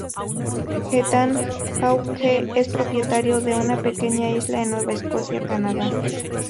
Ethan Hawke es propietario de una pequeña isla en Nueva Escocia, Canadá.